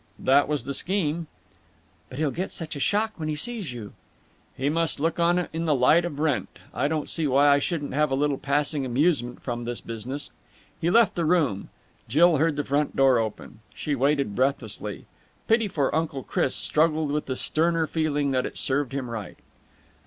"That was the scheme." "But he'll get such a shock when he sees you." "He must look on it in the light of rent. I don't see why I shouldn't have a little passing amusement from this business." He left the room. Jill heard the front door open. She waited breathlessly. Pity for Uncle Chris struggled with the sterner feeling that it served him right.